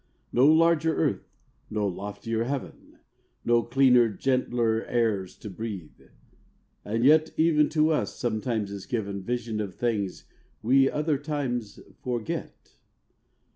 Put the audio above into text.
No larger earth, no loftier heaven, No cleaner, gentler airs to breathe. And yet, Even to us sometimes is given Visions of things we other times forget.